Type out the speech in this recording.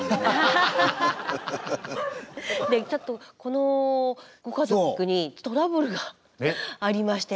でちょっとこのご家族にトラブルがありまして。